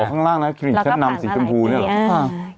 ข้างล่างนะคลินิกชั้นนำสีชมพูเนี่ยเหรอ